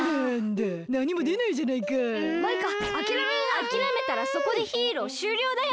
あきらめたらそこでヒーローしゅうりょうだよ！